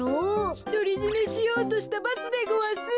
ひとりじめしようとしたばつでごわす。